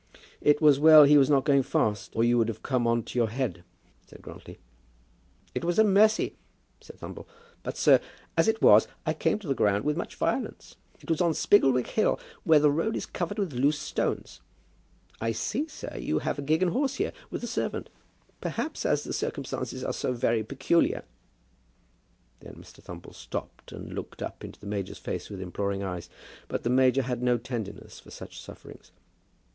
"It was well he was not going fast, or you would have come on to your head," said Grantly. "It was a mercy," said Thumble. "But, sir, as it was, I came to the ground with much violence. It was on Spigglewick Hill, where the road is covered with loose stones. I see, sir, you have a gig and horse here, with a servant. Perhaps, as the circumstances are so very peculiar, " Then Mr. Thumble stopped, and looked up into the major's face with imploring eyes. But the major had no tenderness for such sufferings.